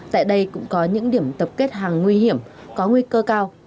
tại đây cũng có những điểm tập kết hàng nguy hiểm có nguy cơ cao